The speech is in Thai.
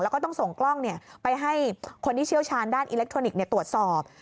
แล้วก็ต้องส่งกล้องไปให้คนที่เชี่ยวชาญด้านอิเล็กทรอนิกส์ตรวจสอบ